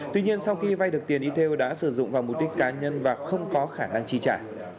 tuy nhiên sau khi vay được tiền đi theo đã sử dụng vào mục đích cá nhân và không có khả năng chi trả